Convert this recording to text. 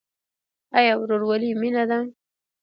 آیا ورورولي مینه ده؟